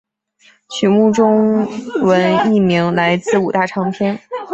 曲目中文译名来自五大唱片。